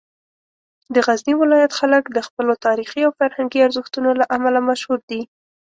د غزني ولایت خلک د خپلو تاریخي او فرهنګي ارزښتونو له امله مشهور دي.